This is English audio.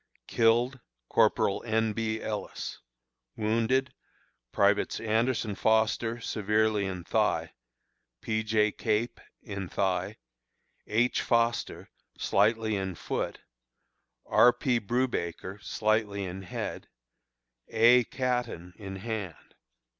Killed: Corporal N. B. Ellis. Wounded: Privates Anderson Foster, severely in thigh; P. J. Cape, in thigh; H. Foster, slightly in foot; R. P. Brewbaker, slightly in head; A. Caton, in hand.